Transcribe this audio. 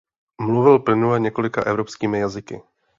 Mluvil plynule několika evropskými jazyky.